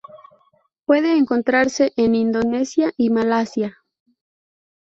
Puede encontrarse en Indonesia y Malasia.